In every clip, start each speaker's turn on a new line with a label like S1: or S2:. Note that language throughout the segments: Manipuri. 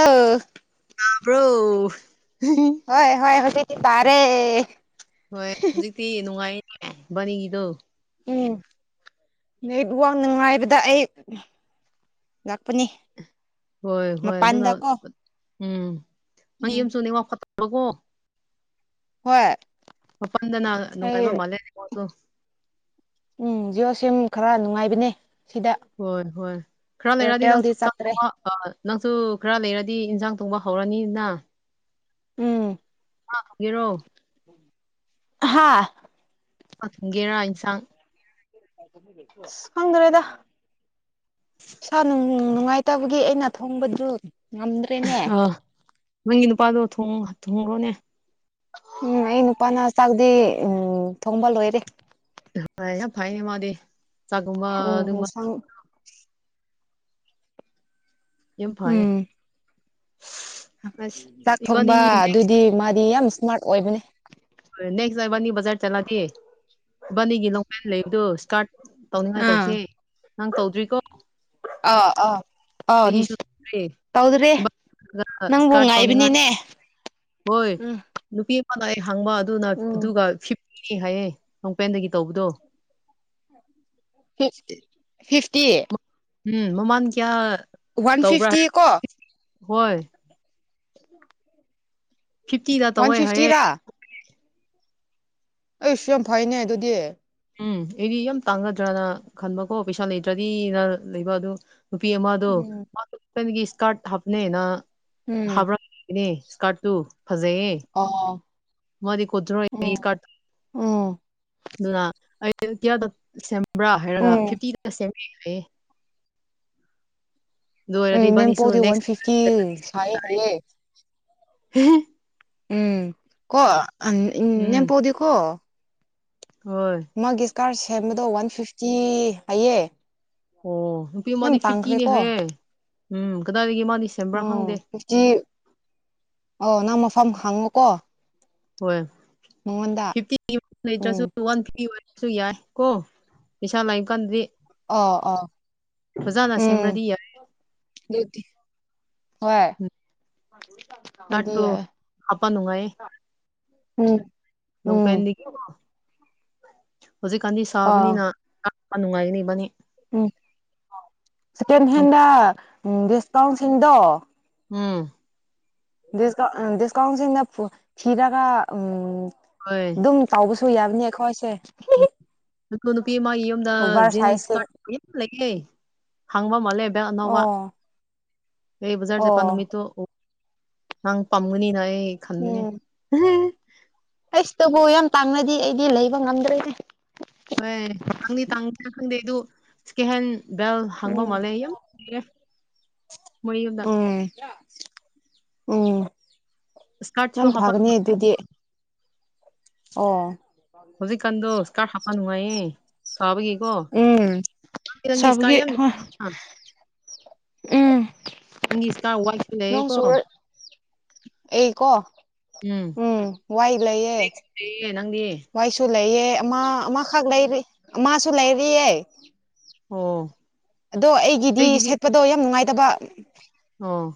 S1: ꯑ
S2: ꯇꯕ꯭ꯔꯣ
S1: ꯍꯣꯏ ꯍꯣꯏ ꯍꯧꯖꯤꯗꯤ ꯔꯦ
S2: ꯍꯣꯏ ꯍꯧꯖꯤꯛꯇꯤ ꯅꯨꯡꯉꯥꯏ ꯕꯥꯅꯤꯒꯤꯗꯣ
S1: ꯎꯝ ꯍ ꯋꯥꯡ ꯅꯨꯡꯉꯥꯏꯕꯗ ꯑꯩ ꯂꯥꯛꯄꯅꯤ
S2: ꯍꯣꯏ ꯍꯣꯏ ꯑꯗꯨꯅ
S1: ꯃꯄꯥꯟꯗꯀꯣ
S2: ꯎꯝ ꯃꯩ
S1: ꯎꯝ
S2: ꯑꯃꯁꯁꯨꯅꯦꯉꯥꯛ ꯐꯠꯇ꯭ꯔꯀꯣ
S1: ꯍꯣꯏ
S2: ꯃꯄꯥꯟꯗꯅ ꯅꯨꯡꯉꯥꯏꯕ
S1: ꯑꯩ
S2: ꯃꯥꯜꯂꯦꯣꯠꯇꯣ
S1: ꯎꯝ ꯖꯤꯌꯑꯣ ꯁꯤꯝ ꯈꯔ ꯅꯨꯡꯉꯥꯏꯕꯅꯦ ꯁꯤꯗ
S2: ꯍꯣꯏ ꯍꯣꯏ ꯈꯔ ꯂꯩꯔꯗꯤ ꯅꯪ
S1: ꯑꯦꯌꯥꯔꯇꯦꯜꯗꯤ
S2: ꯆ
S1: ꯆꯠꯇ꯭ꯔꯦ
S2: ꯑ ꯅꯪꯁꯨ ꯈꯔ ꯂꯩꯔꯗꯤ ꯏꯟꯁꯥꯡ ꯊꯣꯡꯕ ꯍꯧꯔꯅꯤꯅ
S1: ꯎꯝ
S2: ꯑꯒꯤꯔꯣ
S1: ꯍꯥꯥ
S2: ꯒꯦꯔ
S1: ꯑꯁ ꯈꯪꯗ꯭ꯔꯦꯗ ꯏꯁꯥ ꯅꯨꯡ ꯅꯨꯡꯉꯥꯏꯇꯕꯒꯤ ꯑꯩꯅ ꯊꯣꯡꯕꯗꯨ ꯉꯝꯗ꯭ꯔꯦꯅꯦ
S2: ꯑꯥ ꯅꯪꯒꯤ ꯅꯨꯄꯥꯗꯣ ꯊꯣꯡ ꯊꯣꯡꯔꯣꯅꯦ
S1: ꯎꯝ ꯑꯩ ꯅꯨꯄꯥꯅ ꯆꯥꯛꯗꯤ ꯎꯃ ꯊꯣꯡꯕ ꯂꯣꯏꯔꯦ
S2: ꯍ ꯌꯥꯝ ꯐꯥꯏꯅꯦ ꯃꯥꯗꯤ ꯆꯥꯛꯒꯨꯝꯕ
S1: ꯎꯝ
S2: ꯑꯗꯨꯒꯨꯝꯕ
S1: ꯏꯟꯁꯥꯡ
S2: ꯌꯥꯝꯦꯝ ꯐꯌꯦ
S1: ꯎꯝ ꯆꯥꯛ
S2: ꯏꯕꯥꯅꯤ
S1: ꯊꯣꯡꯕ ꯑꯗꯨꯗꯤ ꯃꯥꯗꯤ ꯌꯥꯝ ꯏꯁꯃꯥꯔꯠ ꯑꯣꯏꯕꯅꯦ
S2: ꯍ ꯅꯦꯛꯁ ꯕꯥꯅꯤ ꯕꯖꯥꯔ ꯆꯠꯂꯗꯤ ꯕꯥꯅꯤꯒꯤ ꯂꯣꯡꯄꯦꯟ ꯂꯩꯕꯗꯨ ꯏꯁꯇꯥꯔꯠ ꯇꯧꯅꯤꯡꯉꯥꯏ
S1: ꯑꯥ
S2: ꯇꯧꯁꯦ ꯅꯪ ꯇꯧꯗ꯭ꯔꯤꯀꯣ
S1: ꯑꯥ ꯑꯥ ꯑꯥꯎ
S2: ꯑꯩꯒꯤꯁꯨ ꯇꯧꯗ꯭ꯔꯤ
S1: ꯇꯧꯗ꯭ꯔꯦ ꯅꯪꯕꯨ
S2: ꯏꯁꯀꯥꯔꯠ ꯇꯧꯅꯤꯡꯉꯥꯏ
S1: ꯉꯥꯏꯕꯅꯤꯅꯦ
S2: ꯍꯣꯏ ꯅꯨꯄꯤ ꯑꯃꯅ ꯑꯩ ꯍꯥꯡꯕ ꯑꯗꯨꯅ
S1: ꯎꯝ
S2: ꯑꯗꯨꯒ ꯐꯤꯐꯇꯤꯅꯤ ꯍꯥꯏꯌꯦ ꯅꯣꯡꯄꯦꯟꯗꯒꯤ ꯇꯧꯕꯗꯣ
S1: ꯐꯤ ꯐꯤꯐꯇꯤ
S2: ꯎꯝ ꯃꯣꯃꯥꯟ ꯀꯌꯥ
S1: ꯋꯥꯟ
S2: ꯇꯧꯕ꯭ꯔꯥ
S1: ꯐꯤꯐꯇꯤ
S2: ꯍꯥꯏ
S1: ꯀꯣ
S2: ꯍꯣꯏ ꯐꯤꯐꯇꯤ
S1: ꯋꯥꯟ
S2: ꯂꯥꯇꯧꯌꯦ ꯍꯥꯏꯌꯦ
S1: ꯐꯤꯐꯇꯤꯔꯥ ꯑꯩꯁꯨ ꯌꯥꯝ ꯐꯩꯅꯦ ꯑꯗꯨꯗꯤ
S2: ꯎꯝ ꯑꯩꯗꯤ ꯌꯥꯝ ꯇꯥꯡꯒꯗ꯭ꯔꯅ ꯈꯟꯕꯀꯣ ꯄꯩꯁꯥ ꯂꯩꯇ꯭ꯔꯗꯤꯅ ꯂꯩꯕ ꯑꯗꯨ ꯅꯨꯄꯤ ꯃꯥꯗꯣ
S1: ꯎꯝ
S2: ꯃꯥꯗꯣꯒꯤ ꯏꯁꯀꯥꯔꯠ ꯍꯥꯞꯅꯦꯅ
S1: ꯎꯝ
S2: ꯍꯥꯕ꯭ꯔꯥꯅꯦ ꯏꯁꯀꯥꯔꯠ ꯇꯨ ꯐꯖꯩꯌꯦ
S1: [unintelligible]
S2: ꯃꯥꯗꯤ ꯀꯗ꯭ꯔꯣ
S1: ꯎꯝ
S2: ꯑꯩ ꯀ
S1: ꯎꯝ
S2: ꯑꯗꯨꯅ ꯑꯩ ꯀꯌꯥꯗ ꯕ꯭ꯔꯥ ꯍꯥꯏꯔꯒ
S1: ꯎꯝ
S2: ꯐꯤꯞꯇꯤꯗ ꯁꯦꯝꯃꯦ ꯍꯥꯏꯌꯦ
S1: ꯎꯝ
S2: ꯂꯣꯏꯔꯗꯤ ꯅꯤꯁ
S1: ꯅꯦꯝꯄꯣꯛꯗꯤ ꯋꯥꯟ
S2: ꯅꯁ
S1: ꯐꯤꯐꯇꯤ ꯁꯥꯏꯌꯦ ꯍꯥꯏꯌꯦ ꯎꯝ ꯀꯣ
S2: ꯎꯝ
S1: ꯅꯦꯝꯄꯗꯤ ꯀꯣ
S2: ꯍꯣꯏ
S1: ꯃꯥꯒꯤ ꯏꯁꯀꯥꯔꯠ ꯁꯦꯝꯕꯗꯣ ꯋꯥꯟ ꯐꯤꯐꯇꯤ ꯍꯥꯏꯌꯦ
S2: ꯑꯣ ꯅꯨꯄꯤ
S1: ꯌꯥꯝ
S2: ꯃꯥꯗꯤ ꯐꯤꯐꯇꯤꯅꯦ
S1: ꯇꯥꯡꯈ꯭ꯔꯦꯀꯣ
S2: ꯍꯥꯏꯌꯦ ꯎꯝ ꯀꯗꯥꯏꯗꯒꯤ ꯃꯥꯗꯤ ꯁꯦꯝꯕ꯭ꯔꯥ
S1: ꯑꯣ
S2: ꯈꯪꯗꯦ
S1: ꯍꯧꯖꯤꯛꯇꯤ ꯑꯣ ꯅ ꯃꯐꯝ ꯍꯥꯡꯉꯨꯀꯣ
S2: ꯍꯣꯏ ꯐꯤꯐꯇ
S1: ꯎꯝ
S2: ꯋꯥ ꯊ ꯁꯨ ꯌꯥꯏ ꯀꯣ ꯄꯩꯁꯥ ꯂꯥꯏꯡ ꯀꯥꯟꯗꯗꯤ
S1: ꯑꯣ ꯑꯣ
S2: ꯑꯣꯖꯥꯅ ꯁꯦꯝꯅꯗꯤ
S1: ꯣꯇ ꯍ ꯏꯗꯤ
S2: ꯀꯥꯔꯠꯇꯣ
S1: ꯌꯥ
S2: ꯍꯥꯞꯄ ꯅꯨꯡꯉꯥꯏꯌꯦ
S1: ꯎꯝ ꯎꯝ
S2: ꯂꯣꯡꯄꯦꯟꯗꯤ ꯍꯧꯖꯤꯛꯀꯥꯟꯗꯤ
S1: ꯑꯥ
S2: ꯁꯥꯕꯅꯤꯅ ꯅꯨꯡꯉꯥꯏꯒꯅꯤ ꯏꯕꯥꯅꯤ
S1: ꯎꯝ ꯁꯦꯀꯦꯟ ꯍꯦꯟꯗ ꯗꯤꯁꯀꯥꯎꯟꯁꯤꯡꯗꯣ
S2: ꯎꯝ
S1: ꯁꯀ ꯗꯦꯁꯀ ꯑꯪꯁꯤꯗ ꯊꯤꯔꯥꯒ ꯎ
S2: ꯍꯣꯏ
S1: ꯑꯗꯨ ꯇꯥꯎꯕꯁꯨ ꯌꯥꯕꯅꯤ ꯑꯩꯈꯣꯏꯁꯦ
S2: ꯑꯗꯨ ꯅꯨꯄꯤ ꯃꯥꯒꯤ ꯌꯨꯝꯗ
S1: ꯑꯣꯚꯔ
S2: ꯖꯤꯟꯁ
S1: ꯁꯥꯏꯖꯁꯤꯡ
S2: ꯀꯔ ꯂꯩꯒꯦ ꯍꯪꯕ ꯃꯜꯦꯕ ꯅꯋꯥ
S1: ꯑꯣ
S2: ꯑꯦ ꯕꯖꯥꯔ
S1: ꯑꯣ
S2: ꯆꯖꯠꯄꯥꯟ ꯅꯨꯃꯤꯠꯇꯣ ꯅꯪ ꯄꯥꯝꯒꯅꯤꯅ ꯑꯩ ꯈꯟꯒꯅꯤ
S1: ꯎꯝ
S2: ꯎꯝ
S1: ꯑꯩꯁꯇꯕꯨ ꯌꯥꯝ ꯇꯥꯡꯅꯗꯤ ꯑꯩꯗꯤ ꯂꯩꯕ ꯉꯝꯗ꯭ꯔꯦꯅꯦ
S2: ꯍꯣꯏ ꯇꯥꯡꯗꯤ ꯇꯥꯡ ꯈꯪꯗꯦ ꯑꯗꯨ ꯁ ꯀꯦꯍꯦꯟ ꯕꯦꯜ ꯍꯥꯡꯕ
S1: ꯎꯝ
S2: ꯃꯥꯜꯂꯦ ꯌꯥꯝ ꯂꯩꯔꯦ ꯃꯣꯏ ꯌꯨꯝꯗ
S1: ꯎꯝ ꯎꯝ
S2: ꯏꯁꯀꯥꯔꯠꯁꯨ
S1: ꯌꯥꯝ
S2: ꯍꯥꯞꯄ
S1: ꯐꯒꯅꯤ ꯑꯗꯨꯗꯤ ꯑꯣ
S2: ꯍꯧꯖꯤꯛꯀꯥꯟꯗꯣ ꯁꯀꯥ ꯍꯥꯞꯄ ꯅꯨꯡꯉꯥꯏꯌꯦ ꯁꯥꯥꯕꯒꯤꯀꯣ
S1: ꯎꯝ
S2: ꯅꯪꯒꯤ ꯏꯁꯀꯥꯏ
S1: ꯁꯕꯒꯤ
S2: ꯌꯥꯝ
S1: ꯎꯝ
S2: ꯅꯪꯒꯤ ꯏꯁꯇꯥ ꯋꯥꯏꯈꯤ ꯂꯩꯑꯦꯀꯣ
S1: ꯑꯩ ꯀꯣ ꯎꯝ ꯋꯥꯏ ꯂꯩꯌꯦ
S2: ꯌꯦ ꯅꯪꯗꯤ
S1: ꯋꯥꯏꯁꯨ ꯂꯩꯌꯦ ꯑꯃ ꯑꯃꯈꯛ ꯂꯩꯔꯤ ꯑꯃꯁꯁꯨ ꯂꯩꯔꯤꯑ
S2: ꯑꯣ
S1: ꯑꯗꯣ ꯑꯩꯒꯤꯗꯤ ꯁꯦꯠꯄꯗꯣ ꯌꯥꯝ ꯅꯨꯡꯉꯥꯏꯇꯕ
S2: ꯑꯣ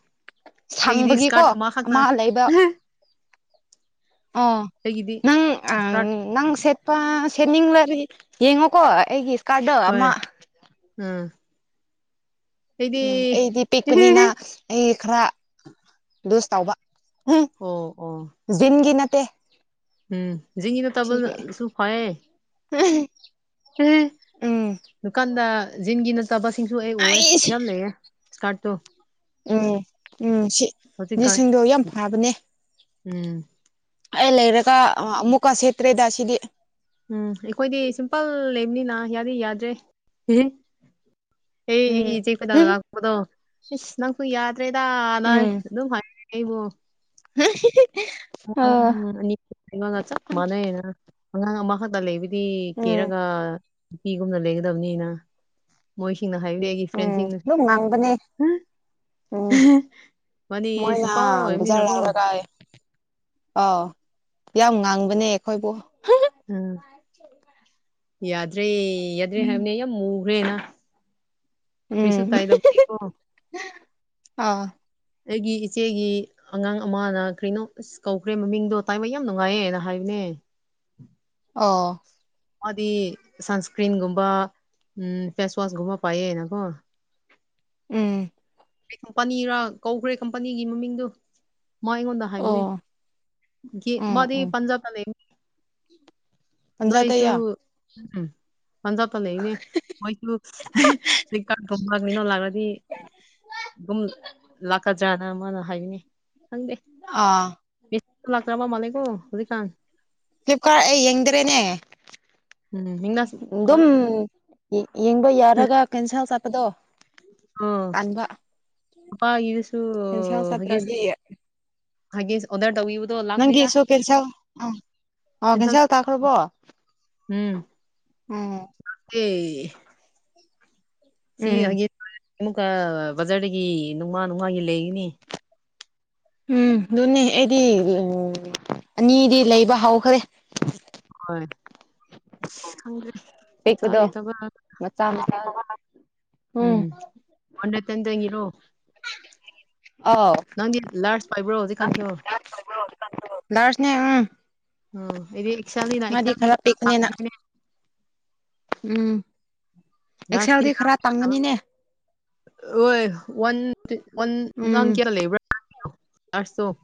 S2: ꯑꯩꯒꯤꯗꯤ
S1: ꯁꯪꯕꯒꯤꯀꯣ
S2: ꯏꯁꯀꯥꯔꯠ ꯑꯃꯈꯛꯇ
S1: ꯑꯃ ꯂꯩꯕ ꯑꯥ
S2: ꯍꯒꯤꯗꯤ ꯏꯁꯇꯥ
S1: ꯅꯪ ꯁꯦꯠꯄ ꯁꯦꯠꯅꯤꯡꯂꯔ ꯌꯦꯡꯉꯣꯀꯣ ꯑꯩꯒꯤ ꯏꯁ ꯀꯥꯔꯗꯣ ꯑꯃ
S2: ꯑꯝ
S1: ꯎꯝ ꯑꯩꯗꯤ ꯄꯤꯛꯄꯅꯤꯅ ꯑꯩ ꯈꯔ ꯂꯨꯖ ꯇꯧꯕ ꯎꯝ
S2: ꯑꯣ ꯑꯣ
S1: ꯖꯤꯟꯒꯤ ꯅꯠꯇꯦ
S2: ꯎꯝ ꯖꯤꯉꯤꯅ ꯇꯜ ꯁꯨ ꯐꯌꯦ
S1: ꯎ
S2: ꯎ ꯗꯨꯀꯥꯟꯗ ꯖꯤꯟꯒꯤ ꯅꯠꯇꯕ ꯁꯤꯡꯁꯨ ꯑꯩ ꯎꯑꯦ
S1: ꯑꯩꯁ
S2: ꯌꯥꯝ ꯂꯩꯑꯦ ꯀ ꯇꯣ
S1: ꯎꯝ ꯎꯝ ꯁꯤ
S2: ꯍꯧꯖꯤꯛꯀꯥꯟ
S1: ꯂꯤꯁꯤꯡꯗꯣ ꯌꯥꯝ ꯐꯕꯅꯦ
S2: ꯎꯝ
S1: ꯑꯩ ꯂꯩꯔꯒ ꯑꯃꯨꯛꯀ ꯁꯦꯠꯇ꯭ꯔꯦꯗ ꯁꯤꯗꯤ
S2: ꯎꯝ ꯑꯩꯈꯣꯏꯗꯤ ꯁꯤꯝꯄꯜ ꯂꯩꯕꯅꯤꯅ ꯌꯥꯗꯤ ꯌꯥꯗ꯭ꯔꯦ ꯑꯦ
S1: ꯎꯝ
S2: ꯑꯩꯆꯦ ꯐ ꯂꯥꯛꯄꯗꯣ ꯏꯁꯁ ꯅꯪꯁꯨ ꯌꯥꯗ꯭ꯔꯦꯗꯥꯅ
S1: ꯎꯝ
S2: ꯑꯗꯨꯝ ꯍꯥꯏꯦ ꯑꯩꯕꯨꯣ
S1: [unintelligible]
S2: ꯆ ꯃꯅꯅꯉꯥꯡ ꯃꯈ ꯈꯥ ꯇ ꯂꯩ ꯗꯤ
S1: ꯎꯝ
S2: ꯀꯦꯔꯒ ꯅꯨꯄꯤꯒꯨꯝꯅ ꯂꯩꯦꯡꯒꯗꯕꯅꯤꯅ ꯃꯣꯏꯁꯤꯡꯅ ꯍꯥꯏꯔ ꯑꯩꯒꯤ
S1: ꯎꯝ
S2: ꯐ꯭ꯔꯦꯟꯁꯤꯡꯅ
S1: ꯑꯗꯨꯝ ꯉꯥꯡꯕꯅꯦ ꯎꯝ
S2: ꯃꯥꯗꯤ
S1: ꯃꯣꯏꯅ
S2: ꯁꯤꯝꯄꯜ ꯑꯣꯏꯕꯅꯤꯅꯀꯣ
S1: ꯖꯔ ꯂꯒꯥꯏ ꯑꯥꯎ ꯌꯥꯝ ꯉꯥꯡꯕꯅꯦ ꯑꯩꯈꯣꯏꯕꯨ
S2: ꯎꯝ ꯌꯥꯗ꯭ꯔꯦ ꯌꯥꯗ꯭ꯔꯦ ꯍꯥꯏꯕꯅꯦ ꯌꯥꯝ ꯃꯨꯈ꯭ꯔꯦꯅ ꯔꯤꯁꯨ
S1: ꯎꯝ
S2: ꯇꯥꯏꯗꯕꯒꯤꯀꯣ
S1: ꯑꯥ
S2: ꯑꯩꯒꯤ ꯏꯆꯦꯒꯤ ꯑꯉꯥꯡ ꯑꯃꯅ ꯀꯔꯤꯩꯅꯣ ꯑꯁ ꯀꯧꯈ꯭ꯔꯦ ꯃꯃꯤꯡꯗꯣ ꯇꯥꯏꯕ ꯌꯥꯝ ꯅꯨꯡꯉꯥꯏꯌꯦꯅ ꯍꯥꯏꯕꯅꯦ
S1: ꯑ
S2: ꯑꯃꯗꯤ ꯁꯟꯁꯀ꯭ꯔꯤꯟꯒꯨꯝꯕ ꯎꯝ ꯐꯦꯁ ꯋꯥꯁꯒꯨꯝꯃ ꯄꯥꯏ ꯍꯥꯏꯅ ꯀꯣ
S1: ꯎꯝ
S2: ꯀꯝꯄꯅꯤꯔꯥꯜ ꯀꯧꯈ꯭ꯔꯦ ꯀꯝꯄꯅꯤꯒꯤ ꯃꯃꯤꯡꯗꯣ ꯃ ꯑꯩꯉꯣꯟꯗ ꯍꯥꯢꯕꯅꯦ
S1: ꯑꯣ ꯎꯝ
S2: ꯃꯗꯤ
S1: ꯎꯝ
S2: ꯕꯥꯟꯖꯥꯞꯇ ꯂꯩꯕꯅꯦ ꯅꯣꯏꯁꯨ
S1: ꯄꯟꯖꯥꯇꯌꯥ
S2: ꯎꯝ ꯄꯟꯖꯥꯞꯇ ꯂꯩꯕꯅꯦ ꯃꯣꯏꯁꯨ ꯐ ꯀꯥ [unintelligible] ꯐꯨꯝꯂꯛꯅꯤꯅꯣ ꯂꯥꯛꯑꯒꯗꯤ ꯑꯗꯨꯝ ꯂꯥꯛꯀꯗ꯭ꯔꯅ ꯃꯥꯅ ꯍꯥꯏꯕꯅꯤ ꯈꯪꯗꯦ
S1: ꯑꯥ
S2: ꯃꯦꯁ ꯂꯥꯛꯇ꯭ꯔꯕ ꯃꯥꯜꯂꯦꯒꯣ ꯍꯧꯖꯤꯛꯀꯥꯟ
S1: ꯐ꯭ꯂꯤꯞꯀꯥꯔꯠ ꯑꯩ ꯌꯦꯡꯗ꯭ꯔꯦꯅꯦ
S2: ꯎꯝ ꯃꯤꯡꯅꯥꯁ ꯍꯣꯏ
S1: ꯗꯨꯝ ꯌꯦ ꯌꯦꯡꯕ ꯌꯥꯔꯒ ꯀꯦꯟꯁꯦꯜ ꯆꯠꯄꯗꯣ
S2: ꯑꯣ
S1: ꯇꯥꯟꯕ
S2: ꯄꯄꯥꯒꯤꯗꯨꯁꯨ
S1: ꯀꯦꯟꯁꯦꯜ
S2: ꯍꯒꯤꯁ
S1: ꯆꯠꯇ꯭ꯔꯗꯤ
S2: ꯍꯒꯤꯁ ꯑꯣꯗꯔ ꯇꯧꯕꯤꯕꯗꯣ ꯂꯥꯛꯇꯦꯗ [inaudible]
S1: ꯅꯪꯒꯤꯁꯨ ꯀꯦꯟꯁꯦꯜ ꯑꯥ ꯑꯥ ꯀꯦꯟꯁꯦꯜ ꯇꯥꯈ꯭ꯔꯕꯣ
S2: ꯎꯝ
S1: ꯑꯣ
S2: ꯂꯥꯛꯇꯦ ꯁꯤ
S1: ꯎꯝ
S2: ꯍ [inaudible] ꯑꯃꯨꯛꯀ ꯕꯖꯥꯔꯗꯒꯤ ꯅꯣꯡꯃꯥ ꯅꯣꯡꯃꯥꯒꯤ ꯂꯩꯒꯤꯅꯤ
S1: ꯎꯝ ꯑꯗꯨꯅꯦ ꯑꯩꯗꯤ ꯎ ꯑꯅꯤꯗꯤ ꯂꯩꯕ ꯍꯧꯈ꯭ꯔꯦ
S2: ꯍꯣꯏ ꯈꯪꯗꯦ
S1: ꯄꯤꯛꯄꯗꯣ ꯃꯆꯥ ꯃꯆꯥ [unintelligible]
S2: ꯎꯝ ꯍꯟꯗꯛꯇꯪꯒꯤꯔꯣ
S1: ꯑꯥꯎ
S2: ꯅꯪꯒꯤ ꯂꯥꯔꯖ ꯄꯥꯥꯏꯕ꯭ꯔꯣ ꯍꯧꯖꯤꯛꯀꯥꯟꯁꯨ
S1: ꯗꯔꯁꯅꯦ ꯎꯝ
S2: ꯑꯣ ꯑꯩꯗꯤ ꯑꯦꯛꯁꯦꯜꯅꯤꯅ
S1: ꯃꯥꯗꯤ ꯈꯔ ꯄꯤꯛꯄꯅꯤꯅ
S2: [inaudible]
S1: ꯎꯝ ꯑꯦꯛꯁꯦꯜꯗꯤ ꯈꯔ ꯇꯥꯡꯒꯅꯤꯅꯦ
S2: ꯍꯣꯏꯟꯟ
S1: ꯎꯝ
S2: ꯅꯪ ꯀꯦꯔ ꯂꯩꯦ ꯏꯣ [unintelligible]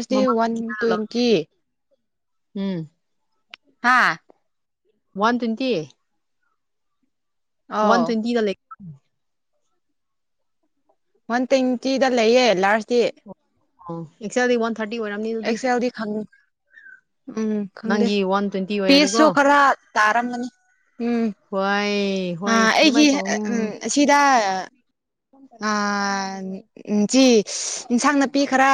S2: [inaudible]
S1: ꯋꯥꯟ ꯇ꯭ꯋꯦꯟꯇꯤ
S2: ꯎꯝ
S1: ꯍꯥꯥ
S2: ꯋꯥꯟ ꯇ꯭ꯋꯦꯟꯇꯤ ꯋꯥꯟ
S1: ꯑꯧ
S2: ꯇ꯭ꯋꯦꯟꯇꯤ ꯂ ꯂꯩ
S1: ꯋꯥꯟ ꯇ꯭ꯋꯦꯟꯇꯤꯗ ꯂꯩꯌꯦ ꯂꯥꯔꯁꯇꯤ
S2: ꯑꯣ ꯑꯦꯛꯁꯦꯜꯗꯤ ꯋꯥꯟ ꯊꯥꯔꯇꯤ ꯑꯣꯏꯔꯝꯅꯤ ꯑꯗꯨꯗꯤ
S1: ꯑꯦꯛꯁꯦꯜꯗꯤ ꯈꯪ ꯎꯝ ꯈꯪꯗꯦ
S2: ꯅꯪꯒꯤ ꯋꯥꯟ ꯇ꯭ꯋꯦꯟꯇꯤ ꯑꯣꯏꯔꯗꯤꯀꯣ
S1: ꯄꯦꯁꯁꯨ ꯈꯔ ꯇꯥꯔꯝꯃꯅꯤ ꯎꯝ
S2: ꯍꯣꯏ
S1: ꯑ
S2: ꯍꯣꯏ
S1: ꯑꯩꯒꯤ
S2: ꯑꯗꯨꯃꯥꯏꯅ ꯇꯧꯅꯤ
S1: ꯑꯝ ꯑꯁꯤꯗ ꯑꯥ ꯆꯤ ꯏꯟꯁꯥꯡ ꯅꯥꯄꯤ ꯈꯔ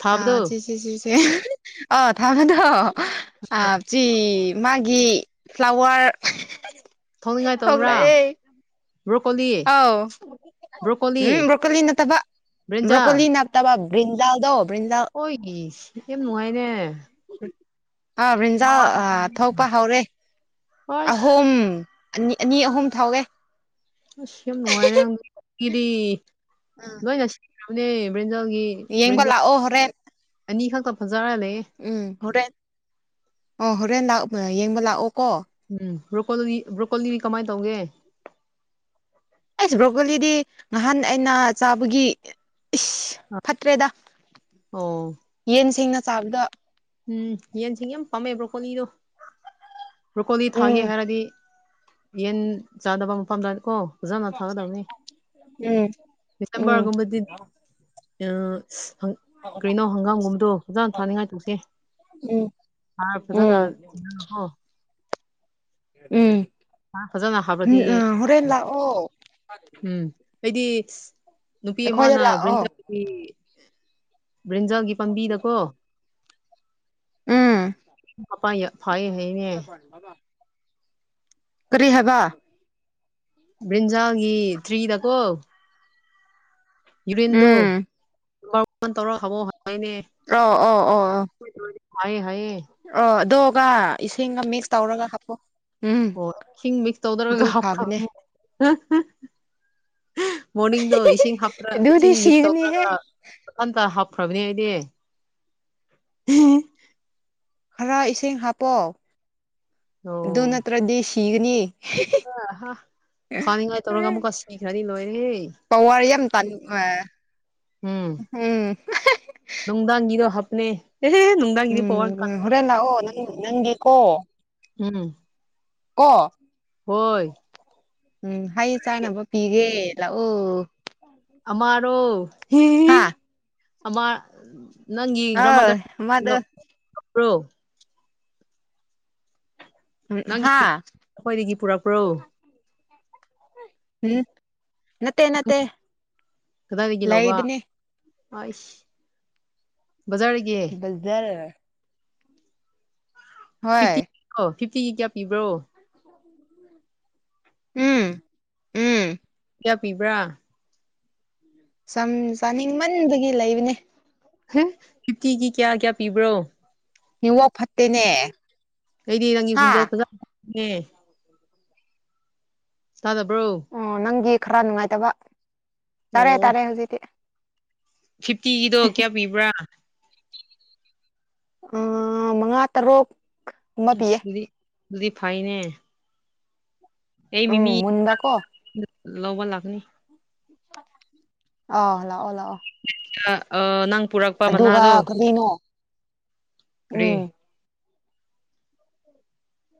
S2: ꯊꯥꯕꯗꯣ
S1: ꯑ ꯁꯤ ꯆ ꯆꯁꯤ ꯑ ꯊꯥꯝꯃꯦꯗꯣ ꯑ ꯆ [unintelligible] ꯃꯥꯒꯤ ꯐ꯭ꯂꯥꯋꯔ
S2: ꯊꯧꯅꯤꯡꯉꯥꯏ ꯇꯧꯕ꯭ꯔꯥ ꯕ꯭ꯔꯣꯀꯣꯂꯤ
S1: ꯑꯥꯎ
S2: ꯕ꯭ꯔꯣꯀꯣꯂꯤ
S1: ꯎꯝ ꯕ꯭ꯔꯣꯀꯣꯂꯤ ꯅꯠꯇꯕ
S2: ꯕ꯭ꯔꯤꯟꯖꯥꯜ
S1: ꯕ꯭ꯔꯣꯀꯣꯂꯤ ꯅꯠ ꯇꯕꯥ ꯕ꯭ꯔꯤꯟꯖꯜꯗꯣ ꯕ꯭ꯔꯤꯟꯖꯥꯜ
S2: ꯑꯣꯏ [unintelligible] ꯌꯥꯝ ꯅꯨꯡꯉꯥꯏꯅꯦ
S1: ꯑꯥ ꯕ꯭ꯔꯤꯟꯖꯥꯟ
S2: ꯃꯋꯥ
S1: ꯑꯥ
S2: ꯊꯣꯛꯄꯗꯤ
S1: ꯊꯣꯛꯄ ꯍꯧꯔꯦ
S2: ꯑꯁ
S1: ꯑꯍꯨꯝ ꯑꯅꯤ ꯑꯅꯤ ꯑꯍꯨꯝ ꯊꯥꯎꯋꯦ
S2: ꯑꯁ ꯌꯥꯝ ꯅꯨꯡꯉꯥꯏꯔꯦ [unintelligible] ꯂꯣꯏꯅ [unintelligible] ꯕ꯭ꯔꯤꯟꯖꯥꯜꯒꯤ
S1: ꯌꯦꯡꯕ ꯂꯥꯛꯑꯣ ꯍꯣꯔꯦꯟ
S2: ꯑꯅꯤ ꯈꯛꯇ ꯐꯖꯔ ꯂꯩꯌꯦ
S1: ꯎꯝ ꯍꯣꯔꯦꯟ ꯑꯣ ꯍꯣꯔꯦꯟ ꯂꯥꯛ ꯌꯦꯡꯕ ꯂꯥꯛꯑꯣ ꯀꯣ
S2: ꯎꯝ ꯕ꯭ꯔꯣꯀꯣꯜꯂꯤ ꯕ꯭ꯔꯣꯀꯣꯜꯂꯤꯗꯤ ꯀꯃꯥꯏ ꯇꯧꯒꯦ
S1: ꯑꯩꯁ ꯕ꯭ꯔꯣꯀꯣꯂꯤꯗꯤ ꯉꯍꯥꯟ ꯑꯩꯅ ꯆꯥꯕꯒꯤ ꯏꯁ ꯐꯠꯇ꯭ꯔꯦꯗ
S2: ꯑꯣ
S1: ꯌꯦꯟ ꯁꯤꯡꯅ ꯆꯥꯕꯗ
S2: ꯎꯝ ꯌꯦꯟꯁꯤꯡ ꯌꯥꯝ ꯄꯥꯝꯃꯦ ꯕ꯭ꯔꯣꯀꯣꯂꯤꯗꯣ ꯕ꯭ꯔꯣꯀꯣꯂꯤ ꯊꯥꯒꯦ
S1: ꯎꯝ
S2: ꯍꯥꯏꯔꯗꯤ ꯌꯦꯟ ꯆꯥꯗꯕ ꯃꯐꯝꯗ ꯀꯣ ꯐꯖꯅ ꯊꯥꯒꯗꯕꯅꯤ
S1: ꯎꯝ ꯎꯝ
S2: ꯁꯦꯝꯕꯔꯒꯨꯝꯕꯗꯤ ꯑꯪ ꯀꯩꯅꯣ ꯍꯪꯒꯥꯝꯒꯨꯝꯕꯗꯣ ꯐꯖꯅ ꯊꯥꯅꯤꯡꯉꯥꯏ ꯇꯧꯁꯦ
S1: ꯎꯝ
S2: ꯍꯥꯔ ꯐꯖꯅ
S1: ꯎꯝ
S2: ꯀꯣ
S1: ꯎꯝ
S2: ꯐꯖꯅ ꯍꯥꯞꯄꯗꯤ
S1: ꯑ ꯍꯣꯔꯦꯟ ꯂꯥꯛꯑꯣ
S2: ꯎꯝ ꯑꯩꯗꯤ ꯅꯨꯄꯤ
S1: ꯑꯩꯈꯣꯏꯗ
S2: ꯑꯃꯅ
S1: ꯂꯥꯛꯑꯣ
S2: ꯕ꯭ꯔꯤꯟꯗ ꯕ꯭ꯔꯤꯟꯖꯜꯒꯤ ꯄꯥꯝꯕꯤꯗꯀꯣ
S1: ꯎꯝ
S2: ꯍꯥꯏꯅꯦ
S1: ꯑꯕꯥ ꯀꯔꯤ ꯍꯥꯏꯕ
S2: ꯕ꯭ꯔꯤꯟꯖꯥꯜꯒꯤ ꯇ꯭ꯔꯤꯗ ꯀꯣ ꯌꯨꯔꯤꯟꯗꯣ
S1: ꯎꯝ
S2: ꯇꯧꯔꯣ ꯍꯕꯣ ꯍꯥꯏꯅꯦ
S1: ꯑꯣ ꯑꯣ ꯑꯣ
S2: ꯍꯥꯏꯌꯦ ꯍꯥꯏꯌꯦꯌꯦ
S1: ꯑꯣ ꯑꯗꯨꯒ ꯏꯁꯤꯡꯒ ꯃꯤꯛꯁ ꯇꯧꯔꯒ ꯍꯥꯞꯄꯣ ꯎꯝ
S2: ꯑꯣ ꯏꯁꯤꯡꯒ ꯃꯤꯛꯁ
S1: ꯑꯗꯨ
S2: ꯇꯧꯗ꯭ꯔꯒ
S1: ꯐꯕꯅꯦ
S2: ꯍꯥꯞꯈ꯭ꯔꯕꯅꯤ ꯃꯣꯔꯅꯤꯡꯗꯣ ꯏꯁꯤꯡ ꯍꯥꯄ꯭ꯔ
S1: ꯑꯗꯨꯗꯤ
S2: ꯏꯁꯤꯡ ꯃꯤꯛꯁ
S1: ꯁꯤꯒꯅꯤꯍꯦ
S2: ꯇꯧꯈ꯭ꯔꯒ ꯃꯊꯟꯇ ꯍꯥꯞꯈ꯭ꯔꯕꯅꯤ ꯑꯩꯗꯤ
S1: ꯈꯔ ꯏꯁꯤꯡ ꯍꯥꯞꯄꯣ
S2: [unintelligible]
S1: ꯑꯗꯨ ꯅꯠꯇ꯭ꯔꯗꯤ ꯁꯤꯒꯅꯤ
S2: ꯑ ꯍ ꯐꯅꯤꯉꯥꯢ ꯇꯧꯔ ꯑꯃꯨꯛꯀ ꯁꯤꯈ꯭ꯔꯗꯤ ꯂꯣꯏꯔꯦꯍꯦ
S1: ꯄꯋꯥꯔ
S2: ꯎꯝ
S1: ꯍꯝ
S2: ꯅꯨꯡꯗꯥꯡꯒꯤꯗꯣ ꯍꯥꯞꯄꯅꯦ ꯅꯨꯡꯗꯥꯡꯒꯤꯗꯣ ꯄꯋꯥꯔ ꯀꯥꯟ
S1: ꯎꯝ ꯍꯣꯔꯦꯟ ꯂꯥꯛꯑꯣ ꯅꯪ ꯅꯪꯒꯤ ꯀꯣ
S2: ꯎꯝ
S1: ꯀꯣ
S2: ꯍꯣꯏ
S1: ꯎꯝ ꯍꯩ ꯆꯥꯅꯕ ꯄꯤꯒꯦ ꯂꯥꯛꯑꯣ
S2: ꯑꯃꯥꯔꯣ
S1: ꯍꯥ
S2: ꯑꯃꯥ ꯅꯪꯒꯤ
S1: ꯑ
S2: ꯒ꯭ꯔꯥꯟꯃꯥꯗꯔ
S1: ꯃꯗꯨ
S2: ꯅꯪꯒꯤ
S1: ꯍꯥ
S2: ꯑꯩꯈꯣꯏꯗꯒꯤ ꯄꯨꯔꯛꯄ꯭ꯔꯣ
S1: ꯎꯝ ꯅꯠꯇꯦ ꯅꯠꯇꯦ ꯂꯩꯕꯅꯤ
S2: ꯍꯥꯏꯁ ꯕꯖꯥꯔꯒꯤ
S1: ꯐꯖꯔꯦ
S2: ꯐꯤꯐꯇꯤ
S1: ꯍꯣꯏ
S2: ꯐꯤꯐꯇꯤꯒꯤ ꯀꯌꯥ ꯄꯤꯕ꯭ꯔꯣ
S1: ꯎꯝ ꯎꯝ
S2: ꯀꯌꯥ ꯄꯤꯕ꯭ꯔꯥ
S1: ꯆꯥꯅꯤꯡꯃꯟꯕꯒꯤ ꯂꯩꯕꯅꯦ
S2: ꯐꯤꯞꯇꯤꯒꯤ ꯀꯌꯥ ꯀꯌꯥ ꯄꯤꯕ꯭ꯔꯣ
S1: ꯅꯦꯠꯋꯥꯛ ꯐꯠꯇꯦꯅꯦ
S2: ꯑꯩꯩꯗꯤ ꯅꯪꯒꯤ
S1: ꯍꯥ
S2: ꯈꯣꯟꯖꯦꯜ ꯐꯖꯅ ꯇꯥꯢꯅꯦ ꯇꯥꯗꯕ꯭ꯔꯣ
S1: ꯑꯣ ꯅꯪꯒꯤ ꯈꯔ ꯅꯨꯡꯉꯥꯏꯇꯕ ꯇꯥꯔꯦ
S2: ꯑꯣ
S1: ꯇꯥꯔꯦ ꯍꯧꯖꯤꯛꯇꯤ
S2: ꯐꯤꯐꯇꯤꯒꯤꯗꯣ ꯀꯌꯥ ꯄꯤꯕ꯭ꯔꯥ
S1: ꯑꯥ ꯃꯉꯥ ꯇꯔꯨꯛ ꯀꯨꯝꯕ ꯄꯤꯌꯦ
S2: ꯑꯗꯤ ꯑꯗꯨꯗꯤ ꯐꯥꯏꯅꯦ ꯑꯩ
S1: ꯎꯝ
S2: ꯃꯤꯃꯤ
S1: ꯃꯨꯟꯕꯀꯣ
S2: ꯂꯧꯕ ꯂꯥꯛꯀꯅꯤ
S1: ꯑꯥꯎ ꯂꯥꯛꯑꯣ ꯂꯥꯛꯑꯣ
S2: ꯑꯥ ꯅꯪ ꯄꯨꯔꯛꯄ
S1: ꯑꯗꯨꯒ
S2: ꯃꯅꯥꯗꯣ
S1: ꯀꯔꯤꯅꯣ
S2: ꯀꯔꯤ
S1: ꯎꯝ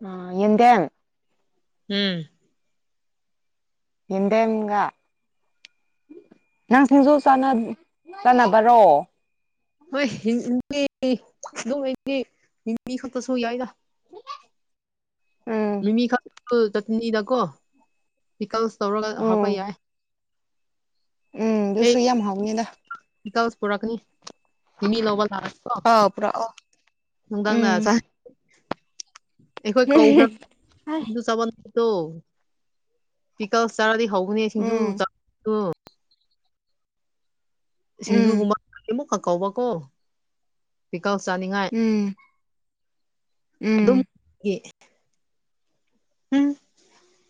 S1: ꯑꯥ ꯌꯦꯟꯗꯦꯝ
S2: ꯎꯝ
S1: ꯍꯦꯟꯗꯦꯝꯒ ꯅꯪ ꯁꯤꯡꯖꯨ ꯆꯤꯟꯅ ꯆꯥꯟꯅꯕꯔꯣ
S2: ꯍꯣꯏ ꯅꯗꯤ ꯈꯛꯇꯁꯨ ꯌꯥꯏ
S1: ꯎꯝ
S2: ꯃꯤ ꯃꯤ ꯈꯛꯁꯨ ꯆꯠꯅꯤꯗꯀꯣ ꯄꯤꯀꯜꯁ ꯇꯧꯔꯒ
S1: ꯎꯝ
S2: ꯍꯥꯞꯄ ꯌꯥꯏ
S1: ꯎꯝ ꯑꯗꯨꯁꯨ ꯌꯥꯝ ꯍꯥꯎꯅꯤꯗ
S2: ꯇꯁ ꯄꯨꯔꯛꯀꯅꯤ ꯃꯤꯃꯤ ꯂꯧꯕ ꯂꯥꯛꯑꯅꯤꯀꯣ
S1: ꯑꯥꯎ ꯄꯨꯔꯛꯑꯣ
S2: ꯅꯨꯡꯗꯥꯡꯗ
S1: ꯎꯝ
S2: ꯑꯩꯈꯣꯏ ꯀꯧꯈ꯭ꯔꯦ ꯆꯥꯕꯥ ꯑꯗꯣ ꯄꯤꯀꯜꯁ ꯆꯥꯔꯗꯤ ꯍꯥꯎꯕꯅꯦ ꯁꯤꯡꯖꯨ
S1: ꯎꯝ
S2: ꯆꯥꯗꯨ
S1: ꯎꯝ
S2: ꯁꯤꯡꯖꯨꯒꯨꯝꯕ ꯑꯃꯨꯛꯀꯥ ꯀꯥꯎꯕꯀꯣ ꯄꯤꯀꯜꯖ ꯆꯥꯅꯤꯡꯉꯥꯏ
S1: ꯎꯝ
S2: ꯑꯗꯨꯝ
S1: ꯎꯝ
S2: ꯎꯝ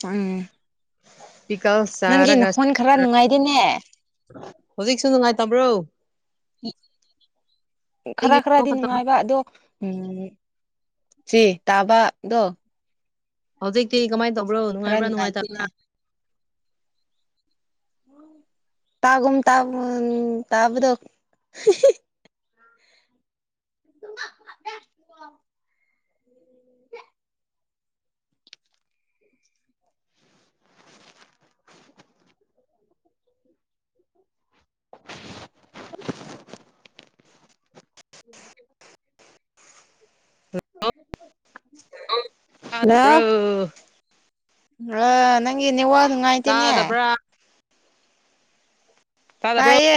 S1: ꯎꯝ
S2: ꯄꯤꯀꯜ
S1: ꯅꯪꯒꯤ
S2: ꯆꯔꯥꯒꯁꯤ
S1: ꯅꯈꯣꯟ ꯈꯔ ꯅꯨꯡꯉꯥꯏꯗꯤꯅꯦ
S2: ꯍꯧꯖꯤꯛꯁꯨ ꯅꯨꯡꯉꯥꯏꯇꯕ꯭ꯔꯣ
S1: ꯈꯔ
S2: ꯑꯩꯒꯤ
S1: ꯈꯔꯗꯤ ꯅꯨꯡꯉꯥꯏꯕ ꯑꯗꯣ ꯎꯝ ꯁꯤ ꯇꯥꯕꯗꯣ
S2: ꯍꯧꯖꯤꯛꯇꯤ ꯀꯃꯥꯏ ꯇꯧꯕ꯭ꯔꯣ
S1: ꯈꯔ
S2: ꯅꯨꯡꯉꯥꯏꯕ꯭ꯔꯥ ꯅꯨꯡꯉꯥꯏꯇꯕ꯭ꯔꯥ
S1: ꯅꯨꯡꯉꯥꯏꯇꯦꯅꯦ ꯇꯥꯒꯨꯝ ꯇꯥꯒꯨꯝ ꯇꯥꯕꯗꯣ [unintelligible]
S2: [unintelligible] [unintelligible]
S1: [unintelligible]
S2: ꯕ꯭ꯔꯣ
S1: ꯗꯥ ꯑꯥ ꯅꯪꯒꯤ ꯅꯦꯋꯥꯛ ꯅꯨꯡꯉꯥꯏꯇꯦꯅꯦ
S2: ꯇꯥꯗꯕ꯭ꯔꯥ ꯇꯥꯗꯕ꯭ꯔꯣ
S1: ꯇꯥꯏꯌꯦ